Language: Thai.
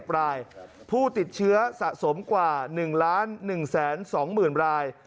๑รายผู้ติดเชื้อสะสมกว่า๑๑๒๐๐๐ราย